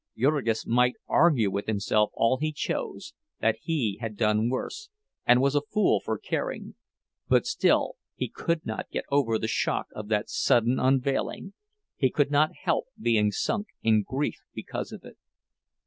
Jurgis might argue with himself all he chose, that he had done worse, and was a fool for caring—but still he could not get over the shock of that sudden unveiling, he could not help being sunk in grief because of it.